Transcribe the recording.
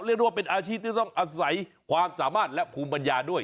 เรียกว่าเป็นอาชีพที่ต้องอาศัยความสามารถและภูมิปัญญาด้วย